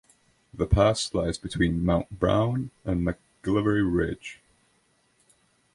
The pass lies between Mount Brown and McGillivray Ridge.